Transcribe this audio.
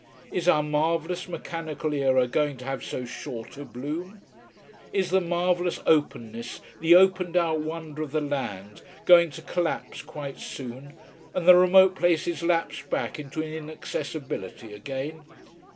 Is our marvellous, mechanical era going to have so short a bloom? Is the marvellous openness, the opened out wonder of the land going to collapse quite soon, and the remote places lapse back into inaccessibility again?